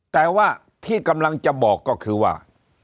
แต่ว่าที่กำลังจะบอกก็คือว่า